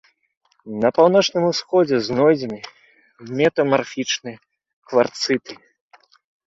На паўночным усходзе знойдзены метамарфічныя кварцыты.